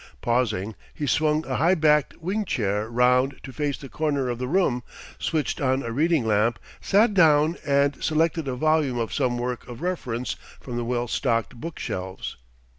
Pausing, he swung a high backed wing chair round to face the corner of the room, switched on a reading lamp, sat down and selected a volume of some work of reference from the well stocked book shelves.